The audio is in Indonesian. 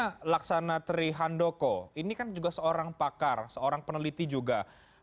karena laksana trihandoko ini kan juga seorang pakar seorang peneliti juga